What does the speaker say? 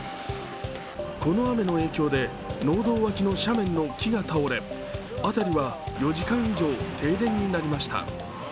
この雨の影響で、農道脇の斜面の木が倒れあたりは４時間以上、停電になりました。